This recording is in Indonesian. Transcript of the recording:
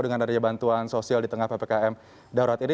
dengan adanya bantuan sosial di tengah ppkm darurat ini